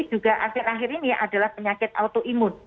dan akhir akhir ini adalah penyakit autoimun